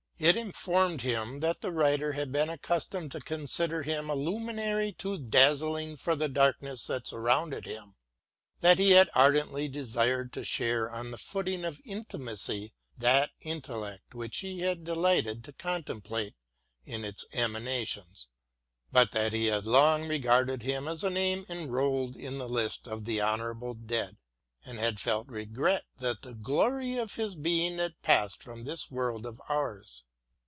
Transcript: It informed him that the writer had been accustomed to consider him a luminary too dazzling for the darkness that surrounded him, that he had ardently desired to share on the footing of intimacy that intellect which he had delighted to contemplate in its emanations, but that he had long regarded him as a name enrolled in the list of the honourable dead and had felt regret that the glory of his being had passed from this world of ours.